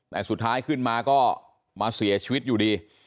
แต่สุดท้ายขึ้นมาก็มาเสียชีวิตอยู่ดี